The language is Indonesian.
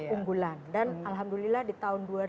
unggulan dan alhamdulillah di tahun dua ribu dua